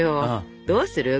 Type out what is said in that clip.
どうする？